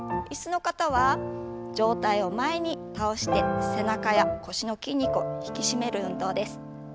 椅子の方は上体を前に倒して背中や腰の筋肉を引き締める運動です。